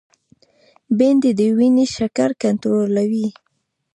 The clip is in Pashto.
بېنډۍ د وینې شکر کنټرولوي